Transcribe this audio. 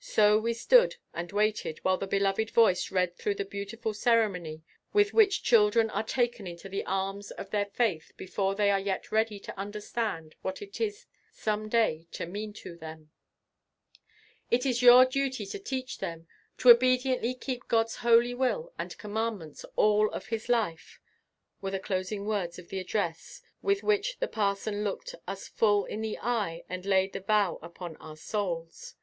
So we stood and waited while the beloved voice read through the beautiful ceremony with which children are taken into the arms of their faith before they are yet ready to understand what it is some day to mean to them. "It is your duty to teach him ... to obediently keep God's holy will and commandments all of his life," were the closing words of the address with which the parson looked us full in the eye and laid the vow upon our souls.